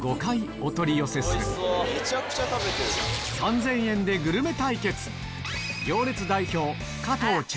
３０００円でグルメ対決８時だョ！